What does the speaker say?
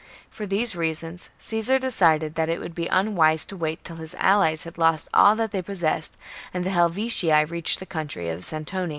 For these reasons Caesar decided that it would be unwise to wait till his allies had lost all that they possessed, and the Helvetii reached the country of the Santoni.